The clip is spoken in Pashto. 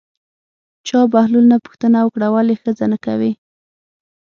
چا بهلول نه پوښتنه وکړه ولې ښځه نه کوې.